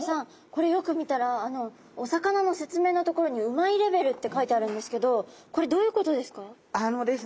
これよく見たらお魚の説明の所に「旨いレベル」って書いてあるんですけどこれどういうことですか？